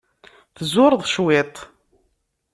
Tzureḍ cwiṭ.